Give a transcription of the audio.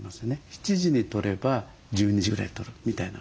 ７時にとれば１２時ぐらいにとるみたいな感じ。